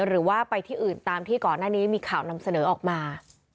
หรือว่าไปที่อื่นตามที่ก่อนหน้านี้มีข่าวนำเสนอออกมา